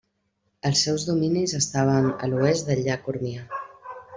Els seus dominis estaven a l'oest del llac Urmia.